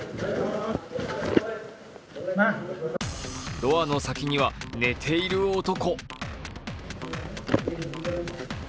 ドアの先には寝ている男。